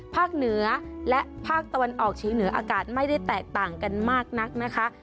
เหนือและภาคตะวันออกเฉียงเหนืออากาศไม่ได้แตกต่างกันมากนักนะคะ